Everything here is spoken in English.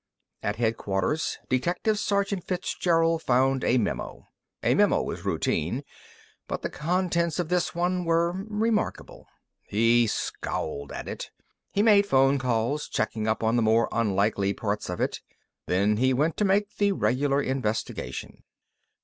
At Headquarters, Detective Sergeant Fitzgerald found a memo. A memo was routine, but the contents of this one were remarkable. He scowled at it. He made phone calls, checking up on the more unlikely parts of it. Then he went to make the regular investigation.